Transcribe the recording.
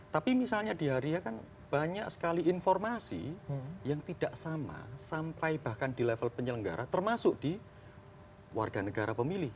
tapi misalnya di haria kan banyak sekali informasi yang tidak sama sampai bahkan di level penyelenggara termasuk di warga negara pemilih